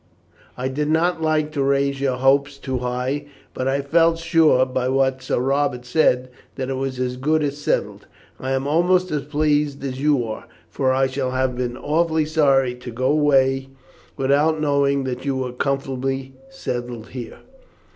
"I did not like to raise your hopes too high, but I felt sure, by what Sir Robert said, that it was as good as settled. I am almost as pleased as you are, for I should have been awfully sorry to go away, without knowing that you were comfortably settled here."